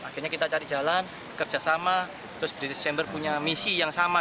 akhirnya kita cari jalan kerjasama terus british chamber punya misi yang sama